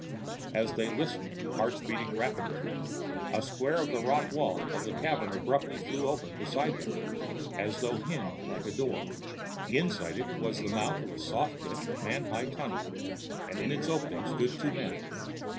As they listened, hearts beating rapidly, a square of the rock wall of the cavern abruptly flew open beside them, as though hinged like a door. Inside it was the mouth of a soft lit, man high tunnel, and in its opening stood two men.